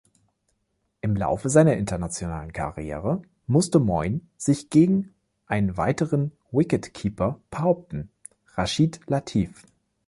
Im Laufe seiner internationalen Karriere musste Moin sich gegen einen weiteren Wicket-Keeper behaupten, Rashid Latif.